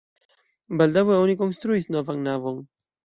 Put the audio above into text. Baldaŭe oni konstruis novan navon.